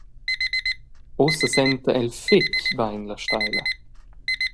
Ussa senta el fetg bein la steila.